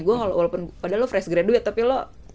gue walaupun padahal lu fresh graduate tapi lu